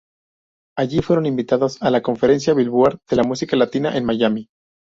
Allí fueron invitados a la "Conferencia Billboard de la Música Latina" en Miami.